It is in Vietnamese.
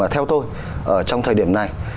theo tôi trong thời điểm này